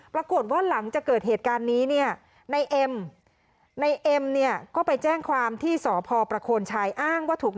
ปรากฏว่าหลังจากเกิดเหตุการณ์นี้เนี่ยในเอ็มในเอ็มเนี่ยก็ไปแจ้งความที่สพประโคนชัยอ้างว่าถูก